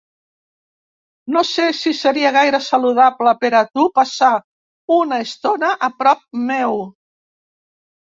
No sé si seria gaire saludable per a tu passar una estona a prop meu.